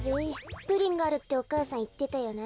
「プリンがある」ってお母さんいってたよな。